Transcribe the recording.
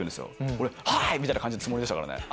俺「はい‼」みたいな感じのつもりでしたからね。